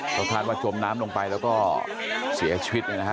เหมือนกันว่าจมน้ำลงไปแล้วก็เสียชีวิตนะครับ